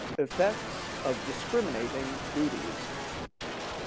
Effects of discriminating Duties.